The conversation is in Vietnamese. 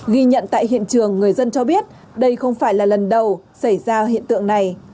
ghi nhận tại hiện trường người dân cho biết đây không phải là lần đầu xảy ra hiện tượng này